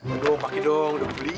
aduh pake dong udah beli ini